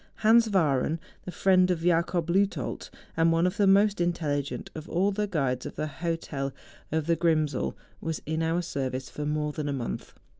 Hans Wahreu, the friend of Jacob Leuthold, and one of the most in¬ telligent of all the guides of the hotel of the Ctrimsel, was in our service for more than a month.